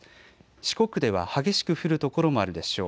四国では激しく降る所もあるでしょう。